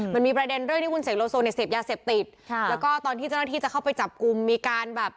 มันมีประเด็นเรื่องที่คุณเสกโลโซเนี่ยเสพยาเสพติดค่ะแล้วก็ตอนที่เจ้าหน้าที่จะเข้าไปจับกลุ่มมีการแบบ